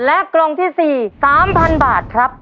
และกล่องที่๔๓๐๐๐บาทครับ